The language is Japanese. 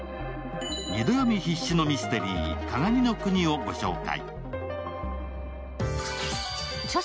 二度読み必至のミステリー「鏡の国」をご紹介。